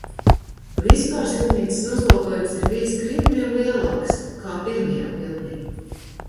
Vispār slimnīcas noslogojums ir bijis krietni vien lielāks kā pirmajā vilnī.